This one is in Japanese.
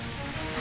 あ！